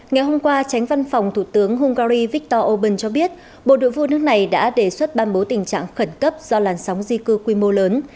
ngày hôm qua tránh văn phòng thủ tướng hungary viktor orbán cho biết bộ đội vua nước này đã đề xuất ban bố tình trạng khẩn cấp do làn sóng di cư quy mô lớn